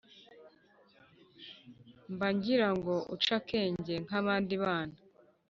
mba ngira ngo uce akenge nk’abandi bana.